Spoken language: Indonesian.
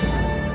baik mak baik